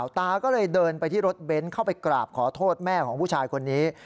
ตาก็เลยเดินไปที่รถเบนท์เข้าไปกราบขอโทษแม่ของผู้ชายคนนี้